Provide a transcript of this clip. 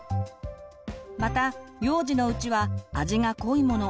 また幼児のうちは味が濃いもの